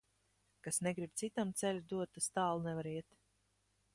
Kas negrib citam ceļu dot, tas tālu nevar iet.